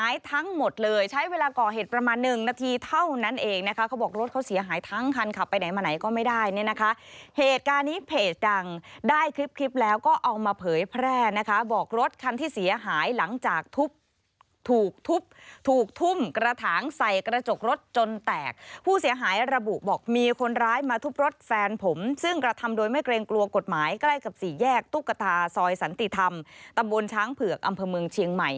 ๑๔แยกตุ๊กกะตาซอยสันติธรรมตำบลช้างเผือกอำเภอเมืองเชียงใหม่